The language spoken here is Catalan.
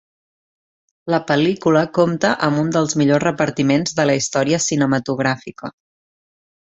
La pel·lícula compta amb un dels millors repartiments de la història cinematogràfica.